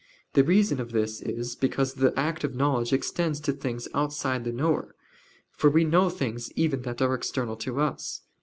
The reason of this is, because the act of knowledge extends to things outside the knower: for we know things even that are external to us.